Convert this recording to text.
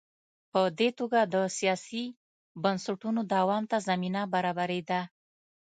په دې توګه د سیاسي بنسټونو دوام ته زمینه برابرېده.